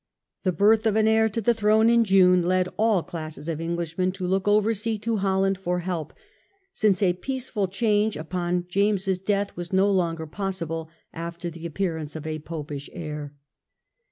The birth of an heir to the throne in June led all classes of Englishmen to look over sea to Holland for help, since a peaceful change upon James' death was no longer possible, after the appearance of a Popish heir.